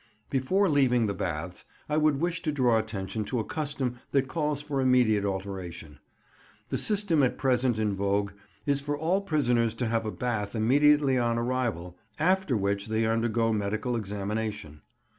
Before leaving the baths, I would wish to draw attention to a custom that calls for immediate alteration. The system at present in vogue is for all prisoners to have a bath immediately on arrival, after which they undergo medical examination.